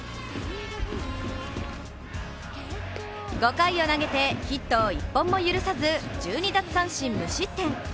５回を投げてヒットを１本も許さず１２奪三振無失点。